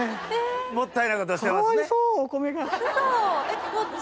もったいないことしてますね？